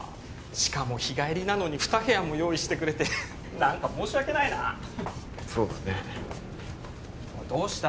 しかも日帰りなのに２部屋も用意してくれて何か申し訳ないなそうだねどうした？